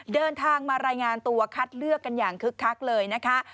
เดินทางมารายงานตัวคัดเลือกกันอย่างคึกคักเลยนะคะ